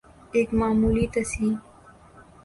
ایک معمولی تصحیح